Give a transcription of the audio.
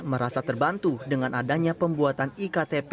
merasa terbantu dengan adanya pembuatan iktp